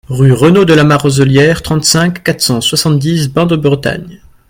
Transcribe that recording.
Rue Renault de la Marzelière, trente-cinq, quatre cent soixante-dix Bain-de-Bretagne